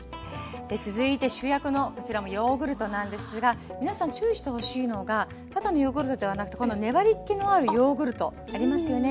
続いて主役のヨーグルトなんですが皆さん注意してほしいのがただのヨーグルトではなくて粘りけのあるヨーグルトありますよね。